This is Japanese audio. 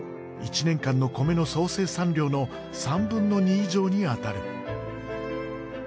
１年間の米の総生産量の３分の２以上にあたる。